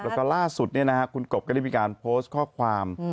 แล้วก็ล่าสุดคุณกบก็ได้มีการโพสต์ข้อความ